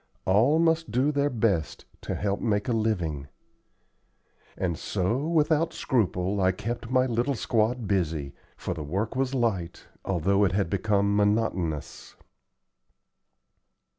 All must do their best to help make a living;" and so without scruple I kept my little squad busy, for the work was light, although it had become monotonous.